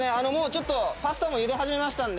ちょっとパスタも茹で始めましたので。